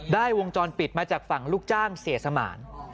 วงจรปิดมาจากฝั่งลูกจ้างเสียสมาน